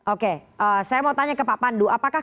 oke saya mau tanya ke pak pandu apakah